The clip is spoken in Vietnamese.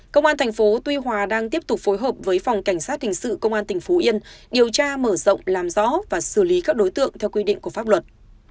công an thành phố tuy hòa đang tiếp tục phối hợp với phòng cảnh sát hình sự công an tỉnh phú yên điều tra mở rộng làm rõ và xử lý các đối tượng theo quy định của pháp luật